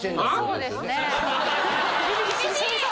そうですね！